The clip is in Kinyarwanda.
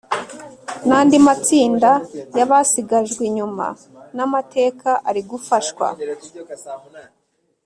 nandi matsinda yabasigajwe inyuma namateka arigufashwa